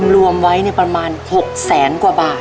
รวมไว้ประมาณ๖แสนกว่าบาท